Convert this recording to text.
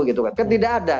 kan tidak ada